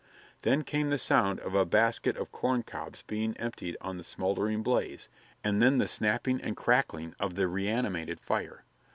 Then came the sound of a basket of corncobs being emptied on the smoldering blaze and then the snapping and crackling of the reanimated fire.